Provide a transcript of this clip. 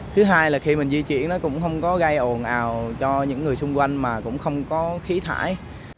thứ hai là khi mình di chuyển nó cũng không có gây ồn ào cho những người xung quanh mà cũng không có khí thải